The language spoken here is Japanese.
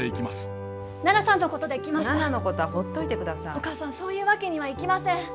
お母さんそういうわけにはいきません。